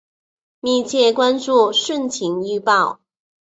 密切关注汛情预报